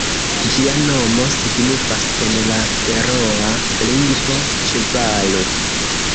Ĝia nomo signifas en la feroa lingvo "ĉevalo".